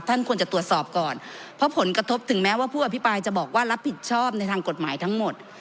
ท่านควรจะตรวจสอบก่อนเพราะผลกระทบถึงแม้ว่าผู้อภิปรายจะบอกว่ารับผิดชอบในทางกฎหมายทั้งหมด